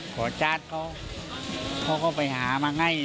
ขอจัดเขาเดี๋ยวพ่อก็ไปหามาไง